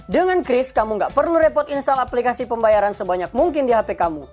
dengan chris kamu gak perlu repot install aplikasi pembayaran sebanyak mungkin di hp kamu